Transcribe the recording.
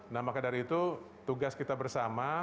nah maka dari itu tugas kita bersama